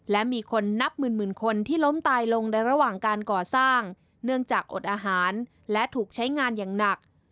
และมีคนนับหมื่นคนที่ล้มตายลงในระหว่างการก่อสร้างเนื่องจากอดอาหารและถูกใช้งานอย่างหนัก